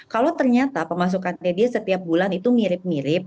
kalau ternyata pemasukan dia setiap bulan itu mirip mirip